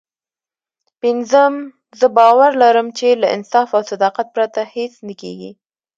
پينځم زه باور لرم چې له انصاف او صداقت پرته هېڅ نه کېږي.